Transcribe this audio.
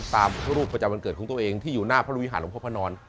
ตามรูปประจำวันเกิดของตัวเองที่อยู่หน้าพระวิหารหลวงพ่อพระนอน